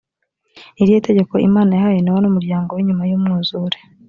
ni irihe tegeko imana yahaye nowa n umuryango we nyuma y umwuzure